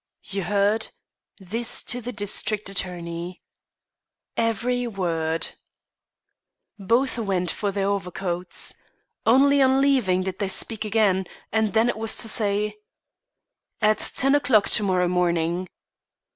"You heard?" This to the district attorney. "Every word." Both went for their overcoats. Only on leaving did they speak again, and then it was to say: "At ten o'clock to morrow morning."